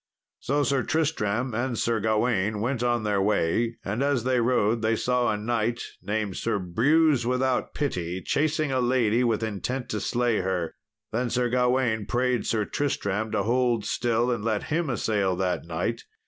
So Sir Tristram and Sir Gawain went on their way, and as they rode they saw a knight, named Sir Brewse without pity, chasing a lady, with intent to slay her. Then Sir Gawain prayed Sir Tristram to hold still and let him assail that knight.